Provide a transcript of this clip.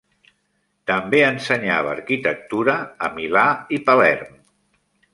També ensenyava arquitectura a Milà i Palerm.